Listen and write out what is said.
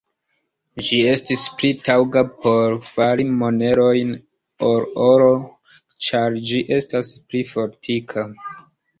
Ĝi estis pli taŭga por fari monerojn ol oro, ĉar ĝi estas pli fortika.